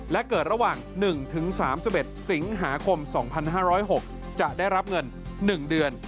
และเกิดระหว่าง๑๓๑สิงหาคม๒๕๐๖จะได้รับเงิน๑เดือน